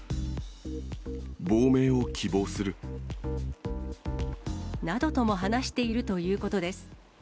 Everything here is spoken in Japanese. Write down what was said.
亡命を希望する。などとも話しているということです。